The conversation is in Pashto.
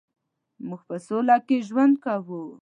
مونږ په سوله کې ژوند کوو